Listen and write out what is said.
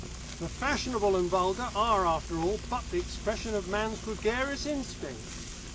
"The fashionable and vulgar are after all but the expression of man's gregarious instinct.